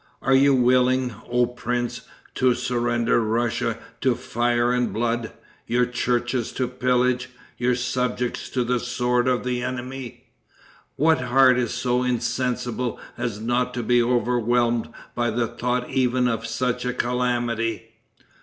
Are you willing, oh prince, to surrender Russia to fire and blood, your churches to pillage, your subjects to the sword of the enemy? What heart is so insensible as not to be overwhelmed by the thought even of such a calamity?